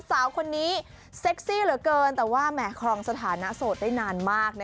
สาวคนนี้เซ็กซี่เหลือเกินแต่ว่าแหมครองสถานะโสดได้นานมากนะ